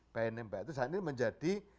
bnnp itu saat ini menjadi